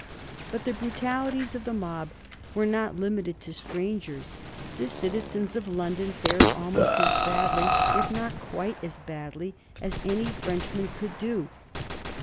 But the brutalities of the mob were not limited to strangers. The citizens of London fared almost as badly if not quite as badly as any Frenchman could do.